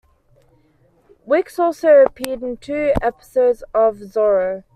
Wickes also appeared in two episodes of "Zorro".